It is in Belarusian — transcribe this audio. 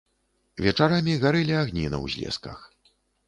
Вечарамі гарэлі агні на ўзлесках.